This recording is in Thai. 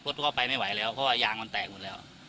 เข้าไปไม่ไหวแล้วเพราะว่ายางมันแตกหมดแล้ว